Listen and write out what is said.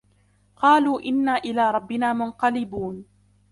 قالوا إنا إلى ربنا منقلبون